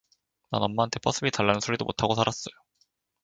난 엄마한테 버스비 달라는 소리도 못 하고 살았어요.